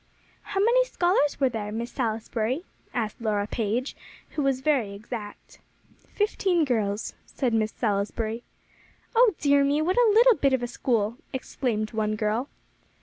"How many scholars were there, Miss Salisbury?" asked Laura Page, who was very exact. "Fifteen girls," said Miss Salisbury. "Oh dear me, what a little bit of a school!" exclaimed one girl.